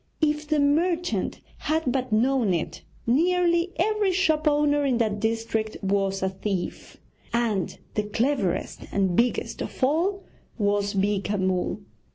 If the merchant had but known it, nearly every shop owner in that district was a thief, and the cleverest and biggest of all was Beeka Mull.